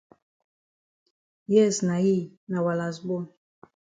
Yes na yi, na wa las bon.